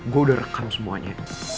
gue udah rekam semuanya